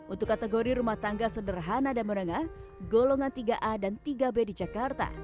untuk kategori rumah tangga sederhana dan menengah golongan tiga a dan tiga b di jakarta